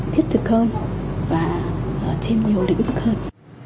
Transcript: thiết thực hơn và trên nhiều lĩnh vực hơn